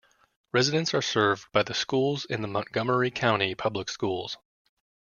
Residents are served by schools in the Montgomery County Public Schools.